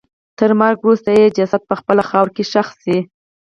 تر مرګ وروسته یې جسد په خپله خاوره کې ښخ شي.